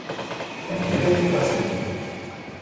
Bei mir wäre Platz genug.